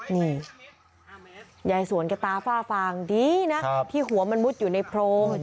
นี่ยายสวนแกตาฝ้าฟางดีนะที่หัวมันมุดอยู่ในโพรง